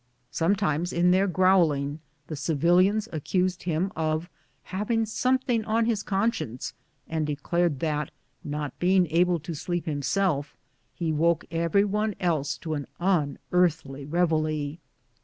Sometimes, in their growling, the civilians accused him of having something on his con science, and declared that, not being able to sleep him self, he woke every one else to an unearthly reveille.